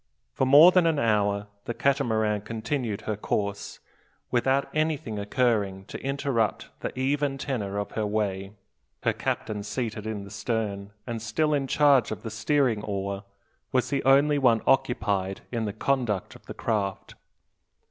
For more than an hour the Catamaran continued her course, without anything occurring to interrupt the "even tenor of her way." Her captain, seated in the stern, and still in charge of the steering oar, was the only one occupied in the conduct of the craft.